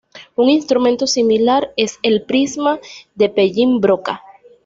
Un instrumento similar es el prisma de Pellin-Broca.